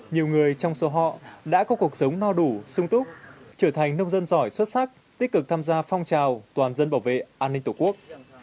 nhiều người trong số họ đã có cuộc sống no đủ sung túc trở thành nông dân giỏi xuất sắc tích cực tham gia phong trào toàn dân bảo vệ an ninh tổ quốc